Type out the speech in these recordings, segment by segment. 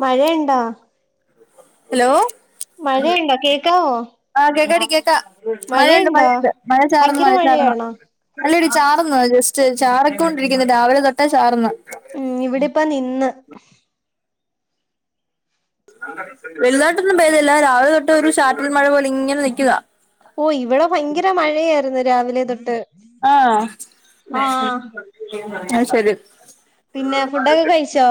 മഴയ്ണ്ടാ hello മഴയ്ണ്ടാ കേക്കാവോ ആഹ് കേക്കാടി കേക്കാ മഴയുണ്ട് മഴയുണ്ടോ മഴയുണ്ട് മഴ ചാറ്ന്ന് ഭയങ്കര മഴ ചാറ്ന്ന് മഴയാണോ അല്ലടി ചാറ്ന്ന് ജസ്റ്റ് ചാറിക്കൊണ്ടിരിക്ക്‌ന്ന് രാവിലെ തൊട്ടേ ചാറ്ന്ന് ഉം ഇവിടിപ്പ നിന്ന് വെലുതായിട്ടൊന്നും പെയതില്ല രാവിലെ തൊട്ട് ഒരു ചാറ്റൽ മഴ പോലെ ഇങ്ങനെ നിക്ക്‌കാ ഓ ഇവിടെ ഭയങ്കര മഴയായിര്ന്നു രാവിലെ തൊട്ട് ആഹ് അത് ആഹ് ശെരി അത് ശെരി പിന്നെ ഫുഡൊക്കെ കഴിച്ചോ?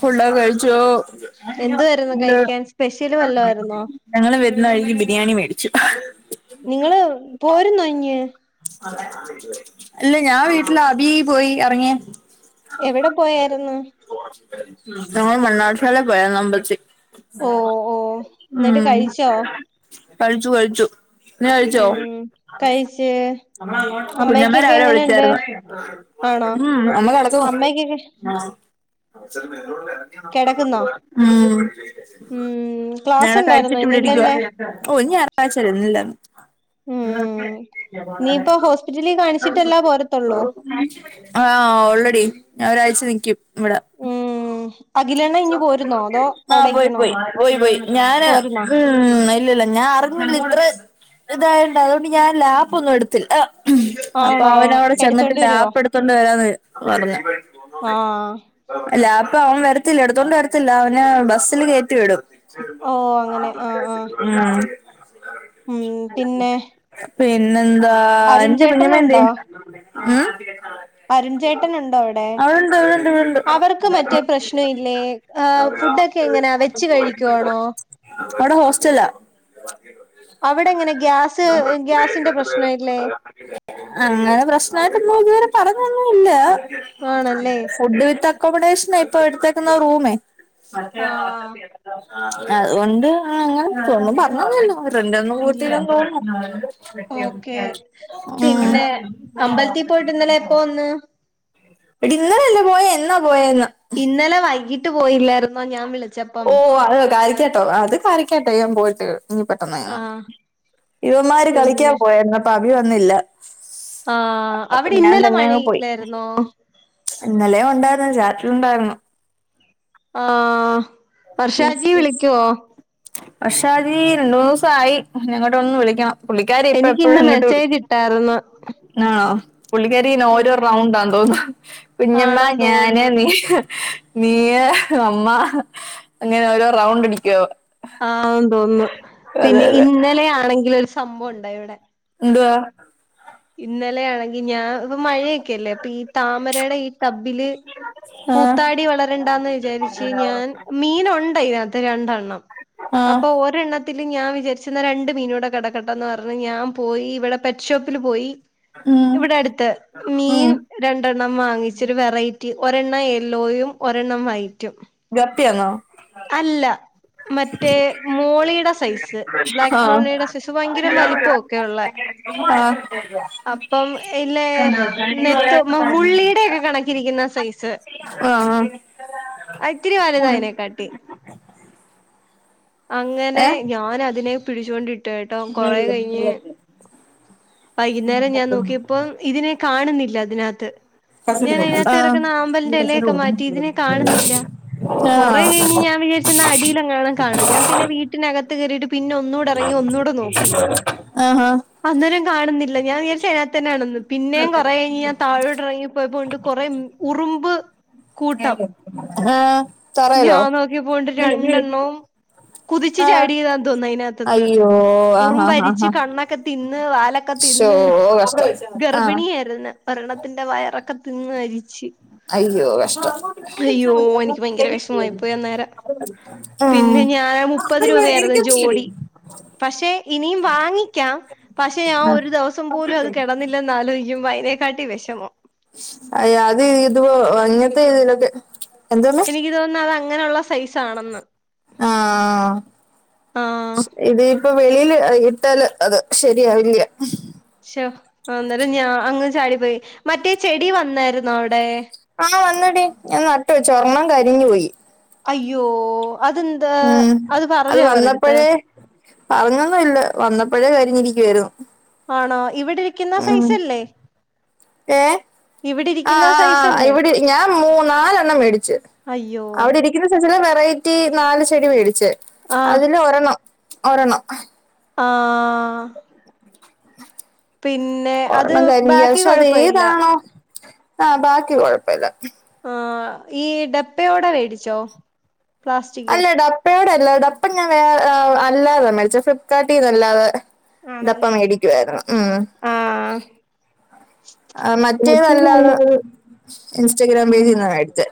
ഫുഡൊക്കെ കഴിച്ചൂ. [unintelligible] എന്തുവായിരുന്നു ണ്ട് കഴിക്കാൻ സ്പെഷ്യല് വല്ലോ ആയിരുന്നോ ഞങ്ങള് വെര്ന്ന വഴിക്ക് ബിരിയാണി മേടിച്ചു. നിങ്ങള് പോരം കഴ്ഞ്ഞ് [unintelligible] അല്ല ഞാൻ വീട്ടിലാബി പോയി എർങ്ങ്യേ എവടെ പോയായിര്ന്ന്? തങ്ങൾ മണ്ണാട്ഫാലെ പോയാ നമ്പൽച് ഓ ഓ എന്നിട്ട് ഉം കഴിച്ചോ കഴിച്ചു കഴിച്ചു. ഞാഴിച്ചോ ച്ച് കുഞ്ഞമ്മ രാവിലെ വിളിച്ചാര്ന്നു. ആണോ ഉം അമ്മ കടക്കുന്നു. അമ്മയ്ക്കൊക്കെ ആഹ് കെടക്കുന്നോ ഉം ഉം ക്ലാസ് ഞങ്ങളെ ഉണ്ടായിരുന്നോ കഴിച്ചിട്ടു വടെ ഇരിക്കുവാ ഇന്നില്ലല്ലേ ഓഹ് ഇഞായറാഴ്ച്ചാല്ലെ ഇന്നില്ലന്ന്. ഉം ഇങ്ങക്കെ ഇനിയിപ്പോ ഹോസ്പിറ്റലിൽ കാണിച്ചിട്ടല്ലാ പോരത്തൊള്ളൂ. [unintelligible] ആഹ് ഓൾറെഡി ഞാ ഒരാഴ്ച നിക്കും ഇവടെ ഉ ആഹ് പോയി പോയി പോയി പോയി ഞാന് പോരുന്നോ ഉം ഉം ഇല്ലല്ല ഞാൻ അറിഞ്ഞില്ല ഇത്രേ ഇതായോണ്ട് അതൊണ്ട് ഞാൻ ലാപൊന്നും എട്ത്തില്ല. അപ്പൊ ആണോ അവനവടെ ചെന്ന്ട്ട് എടുത്തോണ്ട് വരുവോ ലാപ്പെട്ത്തൊണ്ട് വരാന്ന് പർഞ്ഞേ ആഹ് ലാപ്പവന് വരത്തില്ല ഇട്ത്തൊണ്ട് വരത്തില്ല അവന് ബസ്സില് കയറ്റി വിടും. ഓ അങ്ങനെ ആഹ് ആഹ് ഉം ഉം പിന്നെ പിന്നെന്താ അരുൺ എന്തേ കുഞ്ഞമ്മന്തേ ചേട്ടനുണ്ടോ ഉം അരുൺചേട്ടന്ണ്ടോവടെ അവളുണ്ട് അവളുണ്ട് ഇവിടുണ്ട് അവർക്ക് മറ്റേ പ്രശ്നോയ് ല്ലെ ഏഹ് ഫുഡൊക്കെങ്ങനാ വെച്ച് കഴിക്കുവാണോ? അവടെ ഹോസ്റ്റലാ. അവടെ ങ്ങനെ ഗ്യാസ് ഗ്യാസിന്റെ പ്രശ്നല്ലേ? അങ്ങനെ പ്രശ്നമായിട്ടൊന്നു ഇത് വരെ പറഞ്ഞൊന്നുല്ല ആണല്ലേ ഫുഡ് വിത്ത ക്കമഡേഷന ഇപ്പോ എട്ത്തേക്കുന്ന റൂമേ ആഹ് അതോണ്ട് ആ അങ്ങനെ ചെന്ന് പർഞ്ഞോന്നുല്ലവര് ഫ്രണ്ടന്നും ഇല്ല കൂത്തിലും കൂടണം ഉം അമ്പൽത്തി പോയിട്ട് ന്നല്ലേ എപ്പോ വന്ന്? എടിന്നലല്ലേ പോയ എന്നാ പോയെന്ന്. ഇന്നലെ വൈകിട്ട് പോയില്ലായിര്ന്നോ ഞാൻ വിളി ഓഹ് അത് കരക്ക്യാട്ടോ അത് കാര്യക്കട്ടയ്യാം പോയിട്ട് ഇന്ന് പെട്ടെന്ന് ആഹ് ഇവന്മാര് കളിക്കാ പിന്നെ പോയായ്ര്ന്ന് ട്ടവി വന്നില്ല. ആഹ് അപ്പൊ അവിടെ ഞാൻ ഇന്നലെ തന്നെ മഴ അങ്ങ് പോയി യില്ലായിര്ന്നോ? ഇന്നലെ ഉണ്ടായിര്ന്നു രാത്രിയുണ്ടായിര്ന്നു. ആഹ് വർഷാജി വിളിക്കോ? വർഷാജി രണ്ട് മുന്നൂസായി ഞങ്ങോട്ടൊന്നു വിളിക്കണം. പുള്ളിക്കരി എനിക്ക് ഇപ്പഴെപ്പഴും ഇന്ന് ഇങ്ങോട്ട് വിളിക്കും മെസ്സേജ് ഇട്ടായിരുന്നു ആണോ പുള്ളിക്കാ രി നോരോ ഉം റൗണ്ടാന്ന് തോന്ന്ന്നു. കുഞ്ഞമ്മ, ആണെന്ന് ഞാന്, തോന്നുന്നു നീയ്യ് നീയ്യ് അമ്മ അങ്ങനെ ഓരോ റൗണ്ട് അടിക്കോ ആ തോന്ന് ന്നു പിന്നെ ഇന്നലെയാ ണെങ്കിൽ ഒരു സംഭവം ഉണ്ടായിഇവിടെ എന്തുവാ ഇന്നലെയാണെങ്കി ഞാൻ ഇ മഴയൊക്കെല്ലേ പ്പൊ ഈ താമരടെ ഈ തബില് ആഹ് കൂത്താടി വളരണ്ടാ ന്ന് വിചാരിച്ച് ഞാൻ മീനുണ്ട് അ യ് നകത്ത് രണ്ടെണ്ണം. ആഹ് അപ്പൊ ഓ ഒരെണ്ണത്തിൽ ഞാൻ വിചാരിച്ച് ന്ന രണ്ട് മീനോടെ കിടക്കെട്ട എന്ന് പറഞ് ഞാൻ പോയി ഇവിടെ പക്ഷെ ത്തിൽ പോയി ഉം ഇവിടെ അടുത്ത് മീൻ ഉം രണ്ടെണ്ണം വാങ്ങിച്ചൊരു വെറൈറ്റി ഒരെണ്ണം യെല്ലോയും ഒരെണ്ണം വൈറ്റും ഗപ്പിയാണോ അല്ല. മറ്റേ മോളീടെ സൈസ് ബ്ലാക്ക് ആഹ് മോളീ ടെ സൈസ് ഭയങ്കരം വലിപ്പമൊക്കെള്ളെ [unintelligible] അപ്പം ഇല്ലെ നെത്ത് മ മുള്ളീ ടെക്കെ കണക്കിരിക്കുന്ന സൈസ് ആഹ് ആ ഇത്തിരി വാലതാ അയ്നെക്കാ ട്ടി അങ്ങനെ ഏഹ് ഞാൻ അതിനെ പിടിച്ചുകൊണ്ടി ട്ട ട്ടോ കൊറെ കഴിഞ്ഞ് വൈകുന്നേരം ഞാൻ നോക്കിയപ്പം ഇതിനെ കാണുന്നില്ല അതിനകത്ത് ഞാൻ അതിനകത്ത് ആഹ് കടക്കുന്ന ആമ്പലിന്റെ ഇലയൊക്കെ മാറ്റി ഇതിനെ കാണുന്നില്ല കൊറെ ആഹ് കഴിഞ്ഞ് ഞാൻ ഞാ വി ചാരിച്ച അടിൽങ്ങാനുംകാണും ഞാൻ പിന്നെ വീട്ടിനകത്ത് കറിയിട്ട് പിന്നെ ഒന്നൂടെഇറങ്ങി ഒന്നുടെ നോക്കി എ ആഹ് അന്നേരം കാണുന്നില്ല ഞാൻ വിചാരിച്ച് അയ് നകത്തന്നെയാണന്ന്‌ പിന്നേം കുറെ കയ് ഞ്ഞ് ഞാൻ ഡ്ര പോയപ്പോണ്ട് കൊറ ഉറുമ്പ് കൂട്ടം ആഹ് തറയിലോ ഞാൻ നോക്കിയപ്പോണ്ട് രണ്ടെണ്ണവും കുതിച്ച് ആഹ് ചാടി യ്താ തോന്നുന്നു അതിനകത്ത് ത്തി ന്ന്‌ അയ്യോ ആഹ് ആഹ് ആഹ് ഉറുമ്പരിച്ച് ആഹ് കണ്ണൊക്കെ തിന്ന് വാലൊക്കെ ശോ തിന്ന് കഷ്ടായി ആഹ് ഗർഭിണിയായിരുന്ന് ഒ രെണ്ണത്തിന്റെ വയറൊക്കെ തിന്ന് അരിച്ച് അയ്യോ കഷ്ടം [unintelligible] ഇരവശമായിപ്പോയി അന്നേരം പിന്നെ ആഹ് ഞാൻ ൻ മുപ്പത് രൂപ ആയിരുന്നു ജോഡി പക്ഷെ ഇനിയും വാങ്ങിക്കാം പക്ഷെ ഞാൻ ആഹ് ഒരു ദിവസം പോലും അത് കെടന്നി ല്ലെന്ന് ആലോയ് ക്കുമ്പോ അയ്നെ ക്കാട്ടി വെഷമം അ അത് ഇത് അങ്ങത്തെ രീതിയിലൊക്കെ എനിക്ക് തോന്നുന്ന്‌ അത് അങ്ങനെയുള്ള സൈസാ ണെന്നാ ആ ഹ് ഇത് ഇപ്പൊ വെളിൽ ഇട്ടാൽ അത് ശരിയാവില്ല്യ ശ്ശോ, അന്നേരം ഞാ അങ്ങ് ചാടിപ്പോയി മറ്റേ ചെടി വന്നായിര്ന്നോ അവിടെ ആഹ് വന്നടി ഞാൻ നട്ട് വെച്ച ഒർണ്ണം കരിഞ്ഞു പോയി അയ്യോ അതന് ഉം അത് വന്നപ്പോഴേ പറഞ്ഞൊന്നു ല്ല വന്നപ്പോഴേ കരിഞ്ഞിരിക്കുവായിരുന്നു ആണോ ഇവിടെ ഇരിക്കുന്ന സൈസല്ലേ ഏഹ് ഇവിടെ ഇരിക്കുന്ന ആഹ് ആ ആഹ് സൈസല്ലേ ഇവിടെ ഞാൻ മൂന്നാലെണ്ണം മേടിച്ചു അയ്യോ അവിടെ ഇരിക് ഇത് ചില ച്ചില വെറൈറ്റി നാല് ചെടി വേടിച്ചേ ആഹ് അതില് ഒരെണ്ണം ഒരെണ്ണം ആഹാ പിന്നെ അത് ഒരെണ്ണം കരിയ ബാക്കി പക്ഷെ അത് കൊഴപ്പമില്ല ഏതാണോ? ആഹ് ബാക്കി കൊഴപ്പല്ല ആഹ് ഈ ഡെപ്പയോടെ മേടിച്ചോ? പ്ലാസ്റ്റിക് അല്ല ഡപ്പയോടെ അല്ലാ ഡപ്പഞാൻ വേർ ആൾ അല്ലാതെ മേടിച്ചത്. ഫ്ലിപ്കാർട്ടീന്നല്ലാതെ ഡപ്പ ആണല്ലേ മേടിക്കുവായിരുന്നു ഉും ആഹ് ആഹ് മറ്റേത് മറ്റേതല്ലാത് നല്ലത് ഇൻസ്റ്റഗ്രാം പേജ്ന്ന മേടിച്ചേ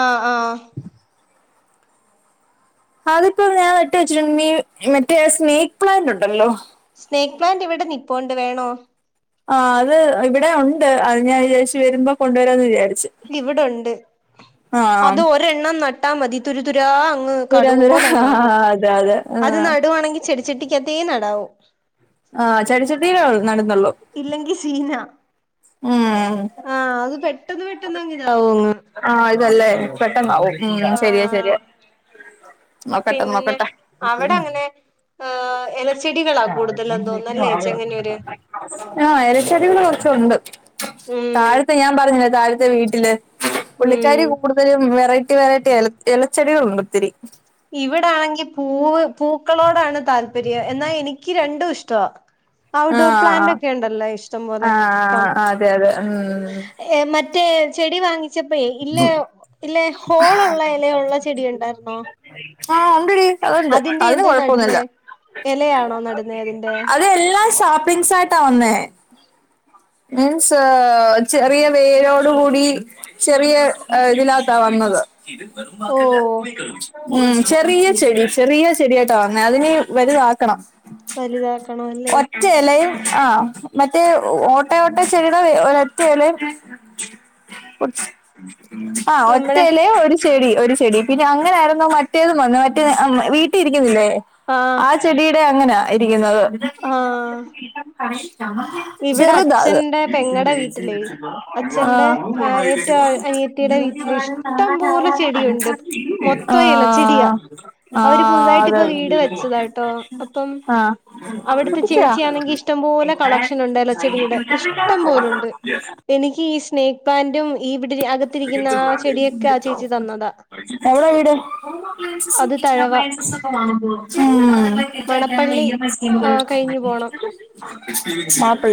ആഹ് ആഹ് അതിപ്പോ ഞാൻ നട്ട് വെച്ചിട്ടു മ്മി മറ്റേ സ്നേക്ക് പ്ലാന്റ് ഉണ്ടല്ലോ? സ്നേക്ക് പ്ലാന്റ് ഇവിടെ നിപ്പോണ്ട് വേണോ? ആ അത് ഇവിടെ ഉണ്ട്. അത് ഞാൻ വിചാരിച്ച് വരുമ്പോ കൊണ്ടുവരാന്ന് വിചാരിച് ഇവിടെണ്ട് അത് ഒരെണ്ണം നട്ടാ മതി തുരിതുരാ അങ്ങ് തുരാൻ തുരാ ആ കടുവോലെങ്ങാകും അതെ അതെ ആ അത് നടുകവാണെങ്കി ചെടിച്ചട്ടിക്കത്തെ നടാവു ആഹ് ചെടിച്ചട്ടീയിലേ നടുന്നുള്ളൂ ഇല്ലെങ്കി സീനാ ഉും ആഹ് അത് പെട്ടന്ന് പെട്ടെന്ന്ങ്ങ് ഇതാവോങ്ങ് ആഹ് ഇതല്ലേ പെട്ടന്നാവും ഉും ശെരിയ ശെരിയ ആഹ് നോക്കട്ടെ പിന്നെ നോക്കട്ട? അവിടെ [unintelligible] അങ്ങനെ ആഹ് ഇലച്ചെടികളാ കൂടുതലും തോന്നല്ലേ ചെങ്ങന്നൂര് ആഹ ഇലച്ചടികൾ കൊറച്ചുണ്ട് [inaudible] താഴത്തെ ഞാൻ പറഞ്ഞില്ലേ? താഴത്തെ വീട്ടില് [inaudible] ഉം പുള്ളിക്കാരി കു കൂട്തലും വെറൈറ്റി വെറൈറ്റി എല എലച്ചെടികളുണ്ട് ഒത്തിരി. ഇവിടാണെങ്കി പൂവ് പൂക്കളോടാണ് താല്പര്യം എന്നാ എനിക്ക് രണ്ടും ഇഷ്ടവാ ആ ഔഡോർ പ്ലാന്റ് ഒക്കെണ്ടല്ലോ ഇഷ്ടം ആ പോലെ ഇപ്പം ആ അതെ അതെ ഉം ഏ മറ്റേ ചെടി വാങ്ങി ചപ്പേ ഇല്ല ഇല്ലെ ഹോളുള്ളെ ഇല ഉള്ളെ ചെടി ഉണ്ടായിരുന്നോ? ആഹ് ഉണ്ടേടി അത്ണ്ട് അതിന്റെ അത് എന്തോ കൊഴപ്പൊന്നുല്ല നടുന്നേ ഇലയാണോ നടുന്നേ അതിന്റെ അത് എല്ലാഷാപ്പിങ് സാ ട്ടാവന്നെ മീൻസ് ചെറിയ വേരോട് കൂടി ചെറിയ ഇതിനകത്താ വന്നത് [unintelligible] ഓ ഉും ചെറിയചെടി ചെറിയ ചെടിയാട്ടാവന്നെ അതിന് വലുതാക്കണം. വലുതാക്കണംല്ലേ? റ്റലയും ആ മറ്റേ ഓറ്റ് ട്ട ചെരിത ഒരറ്റല് [inaudible] ആ നമ്മളെ ഒറ്റയല ഒരു ചെടി ഒരു ചെടി പിന്നെ അങ്ങനെ ആരുന്നോ മറ്റേതും വന്ന മറ്റേ വീട്ടിരിക്കുന്നില്ലേ ആഹ് ആചെ ചെടിയുടെ അങ്ങനാ ഇരിക്കുന്നത് ആഹ് [unintelligible] ഇവിടെ അച് ചെറുതാ അത് അച്ഛന്റെ പെങ്ങളെ വീട്ടിലേ ആ അച്ഛന്റെ ആ ഏറ്റവും അനിയത്തിയുടെ വീട്ടിലിഷ് ട്ടംപോലെ ചെടിയുണ്ട് മൊത്ത ആ ഇല ചെടിയാ ആ അവര് പുതുതായിട്ട്പ്പ അതെ വീട് വെച്ചതാണ്. അപ്പം ആ അവിട്ത്തെ പൊട്ടിച്ചോ ചേച്ചി ആണെങ്കി ഇഷ്ടം പോലെ കളക്ഷൻ ഉണ്ട്. ഇലച്ചെടി ഇഷ്ടം പോലുണ്ട്. എനിക്ക് ഈ സ്നേക്ക് പ്ലാന്റും ഈ ഇവിടെ അത് മികച്ച [unintelligible] അവള വീട് അത് തഴവ [unintelligible] വാങ്ങുമ്പം ഉം [unintelligible] മണപ്പള്ളി ഇ എം എസ് ക്യാമ്പുകൾ ആ കഴിഞ്ഞു പോണം ആപ്പിൾ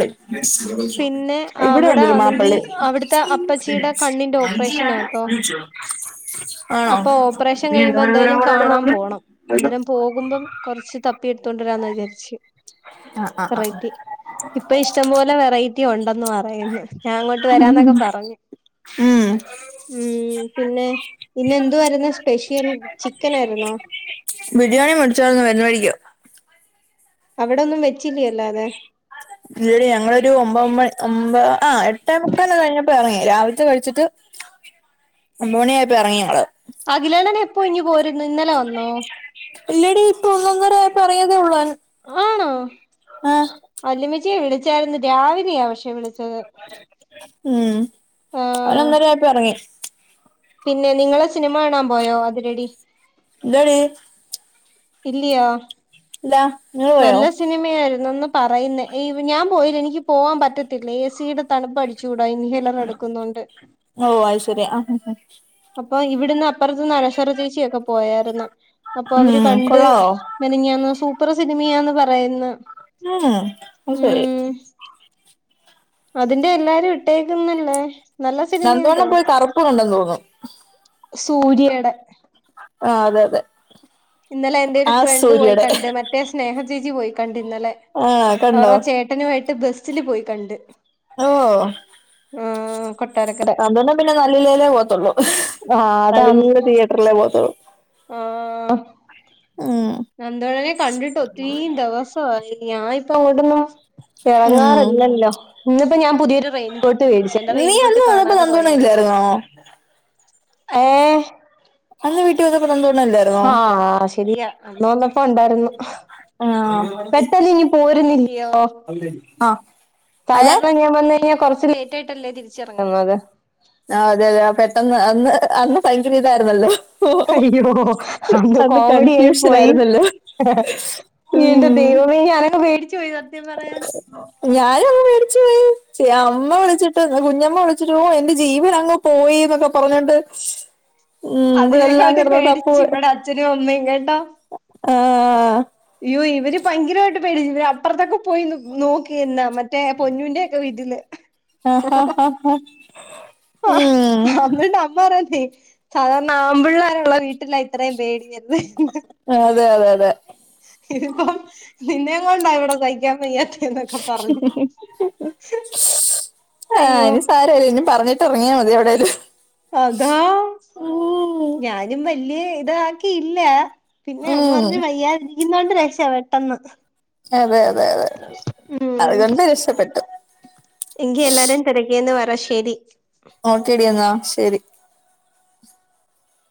പിന്നെ [unintelligible] ഇവിടെ അവിടെ ഉണ്ടരു ആണെങ്കി മാപ്പിള് അവിടുത്തെ അപ്പച്ചിയുടെ കണ്ണിന്റെ ഓപ്പറേഷനാട്ടോ [unintelligible] അപ്പൊ ഓപ്പറേഷൻ കഴിയുമ്പോന്തായാലും കാണാൻ പോണം. അന്നേരം പോകുമ്പം കൊറച്ച് തപ്പി എടുത്തോണ്ടരാന്ന് വിചാരിച്ച്. ആഹ് അഹ് അഹ് അഹ് ഇപ്പ ഇഷ്ടം പോലെ വെറൈറ്റി ഉണ്ടന്ന് പറയുന്നു. ഞാങ്ങോട്ട് വരാന്നൊക്കെ പറഞ്ഞ്. ഉം ഉം പിന്നെ പിന്നെന്തു വരുന്ന് സ്പെഷ്യൽ ചിക്കനായിരുന്നോ? ബിരിയാണി മേടിച്ചായിരുന്നു വരുന്ന വഴിക്ക്. അവിടെന്നും വെച്ചില്ലല്ലോ എല്ലാതെ? ഇല്ല ഞങ്ങളൊരു ഒമ്പ ഒമ്പണി ഒമ്പത് ആഹ് എട്ടാം മുക്കാൽ കഴിഞ്ഞപ്പോറങ്ങി രാവിലത്തെ കഴിച്ചിട്ട്. ഒമ്പത് മണിയായപ്പം എറങ്ങി ഞങ്ങള്. അഖിലേനേനി എപ്പോയ്ഞ്ഞി പോരുന്ന് ഇന്നലെ വന്നോ? ഇല്ലടി ഇപ്പൊ ഒന്നര പറയാതേ ഉള്ളൂ ആഹ് വല്ലിമച്ചിയെ വിളിച്ചായിരുന്നു രാവിലെയ പക്ഷെ വിളി [unintelligible] ഉം അവന് ആഹ് ഒന്നരായപ്പം എറങ്ങി. പിന്നെ നിങ്ങള് സിനിമ കാണാൻ പോയോ അതിരടി? എന്താണ്? ഇല്ല്യാ ല്ല ഇങ്ങള് പോയോ? സിനിമേൽന്നൊന്നും പറയിന്നേ ഈ ഞാൻ പോയില്ല എനിക്ക് പോവാൻ പറ്റത്തില്ല എ സിയുടെ തണുപ്പ് അടി ചൂടാ ഇൻവീലർ എടുക്കുന്നുണ്ട്. ഓ അത് ശരി ആഹ് അപ്പൊ ഇവിടന്ന് അപ്പറത്ത്ന്ന് അനശ്വര ചേച്ചിക്കെ പോയാരുന്നു. അപ്പൊ അവര് ഉം കണ്ട് കൊള്ളാവോ മെനഞ്ഞാന്ന് സൂപ്പർ സിനിമയാന്ന് പറയുന്നു. ഉം ഉം അഹ്ശരി അതിന്റെ എല്ലാരും ഇട്ടേക്കുന്നില്ലേ. സർഗോളം കറുപ്പ്ണ്ടെന്ന് തോന്നുന്നു. സൂര്യയടെ ആഹ് അതെ അതെ ഇന്നലെന്റെരു ആ ഫ്രണ്ട് സൂര്യയുടെ പോയിക്കണ്ട് മറ്റേ സ്നേഹചേച്ചി പോയിക്കണ്ട്ന്നലെ ആ കണ്ടോ ഓരോ ചേ ഏട്ടനുമായിട്ട് ബസ്സില് പോയി കണ്ട് ഓഹോ ആഹ് കൊട്ടാരക്കര [unintelligible] നല്ലലേ പോകത്തള്ളൂ. ആഹ് അതാണ് നല്ല തിയേറ്ററിലേ പോവത്തള്ളു. നന്തോടനെ കണ്ടിട്ട് ഒത്തിരിം ദിവസായി ഞാൻ ഇപ്പ എവിടുന്നാ ഞാൻ ഉം ങ്ങാറില്ലല്ലോ ഇന്നിപ്പോ ഞാ പുതിയൊരു റെയിൻകോട്ട് മേടിച്ച് എന്റെ നീ റെയിൻ കോട്ട് അന്ന് വന്നപ്പോ കാണാതെ നന്ദവണ്ണം പോയാരുന്നു. ഇല്ലായിരുന്നോ അന്ന് വീട്ടി വന്നപ്പൊ കണ്ട്ണല്ലോ. ആഹ് ശരിയാ അന്ന് വന്നപ്പോ ഉണ്ടാരുന്നു. ആഹ് പെട്ടെന്ന് ഇഞ് പോരുന്നില്ലയോ? ആഹ് സാധാരണ ഞാൻ വന്ന് കഴിഞ്ഞാ കൊറച്ച് ലേറ്റ് ആയിട്ടല്ലേ തിരിച്ചിറങ്ങുന്നത്. ആഹ് അതെ അതെ ആഹ് പെട്ടെന്ന് അന്ന് അന്ന് ഭയങ്കര ഇതായിരുന്നല്ലോ. അയ്യോ അത് അന്ന് കോമഡിയായി കൺഫ്യൂഷൻ പോയി. ആയിരുന്നല്ലോ എന്റെ ഉം ദൈവമേ ഞാന് അങ് പേടിച് പോയി സത്യം പറയാന്. ഞാനും അങ് പേടിച്ചു പോയി അമ്മ വിളിച്ചിട്ട് കുഞ്ഞമ്മ വിളിച്ചിട്ട് ഓ എ ജീവന് അങ്ങ് പോയി എന്നൊക്കെ പറഞ്ഞോണ്ട്. ഉം ഇവിടെല്ലാം അതിനേക്കാട്ടി കിടന്ന് തപ്പു പേടിച്ചു ഇവടെ അച്ഛനും അമ്മേം കേട്ടോ. ആഹ് അയ്യോ ഇവര് ഭയങ്കരായിട്ട് പേടിച്ചു ഇവര് അപ്പറത്തൊക്കെ പോയിന്ന് നോക്കി എന്നാ മറ്റേ പൊന്നുന്റ ഒക്കെ വീട്ടില് ആ, ആ, ആ, ആ. ആഹ് ഉം അതുകൊണ്ട് അമ്മ പറയുവാണേ - സാധാരണ ആമ്പിള്ളേരുള്ള വീട്ടില ഇത്രേം പേടിയെന്ന്. ആഹ് അതെ അതെ അതെ. ഇതിപ്പം നിന്നെകൊണ്ടാ ഇവിടെ സഹിക്കാൻ വയ്യാത്തെ എന്തോക്കെ പറഞ്. ആഹ് ഇനി സാരമില്ല ഇനി പറഞ്ഞിട്ട് എറങ്ങിയാ മതി എവടേലും. അതാ ഞാനും വല്യ ഇതാക്കിയില്ല. പിന്നെ അമ്മ ഉം. പറഞ്ഞ് വയ്യാതിരിക്കുന്നോണ്ട് രക്ഷ പെട്ടെന്ന്. അതെ അതെ അതെ ഉം അതുകൊണ്ട് രക്ഷപ്പെട്ടു. എങ്കി എല്ലാരേം തെരക്കിയെന്ന് പറ ശരി. ഓക്കേടി എന്നാ ശരി.